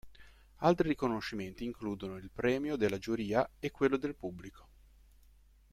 Altri riconoscimenti includono il premio della giuria e quello del pubblico.